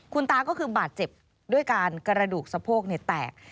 คุณตาก็คือบาดเจ็บด้วยการกระดูกสะโพกแตก